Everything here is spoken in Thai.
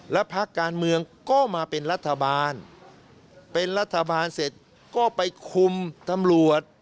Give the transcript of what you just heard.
แล้วพักการเมืองก็มาเป็นรัฐบาลเป็นรัฐบาลเสร็จก็ไปคุมตำรวจ